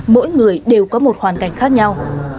mỗi người đều có một hoàn cảnh khác nhau